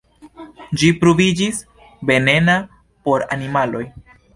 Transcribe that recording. Ĝi pruviĝis venena por animaloj.